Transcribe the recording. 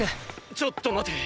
ちょっと待て。